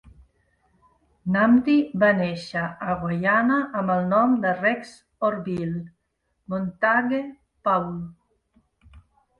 Nnamdi va néixer a Guyana amb el nom de Rex Orville Montague Paul.